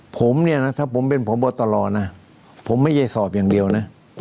ผมเนี่ยนะถ้าผมเป็นพบตรนะผมไม่ใช่สอบอย่างเดียวนะ